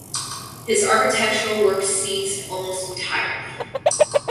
His architectural work ceased almost entirely.